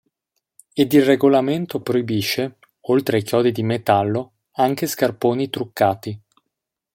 Ed il regolamento proibisce, oltre ai chiodi di metallo, anche scarponi "truccati".